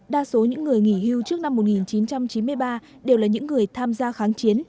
đa số những người nghỉ hưu trước năm một nghìn chín trăm chín mươi ba đều là những người tham gia kháng chiến